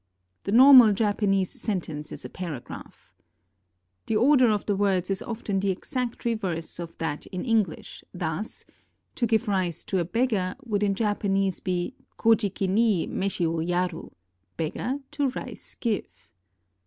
"The normal Japanese sentence is a paragraph." The order of the words is often the exact reverse of that in EngHsh; thus, "To give rice to a beggar" would in Japanese be Kojiki ni meshi wo yaru, "Beggar to rice give."